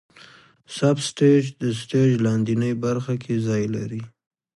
سب سټیج د سټیج لاندینۍ برخه کې ځای لري.